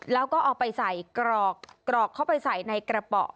แล้วก็เอาไปใส่กรอกเข้าไปใส่ในกระเป๋า